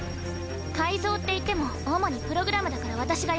改造っていっても主にプログラムだから私がやる。